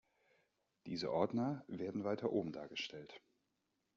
Diese Ordner werden weiter oben dargestellt.